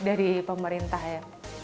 dari pemerintah ya